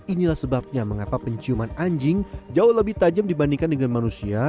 inilah sebabnya mengapa penciuman anjing jauh lebih tajam dibandingkan dengan manusia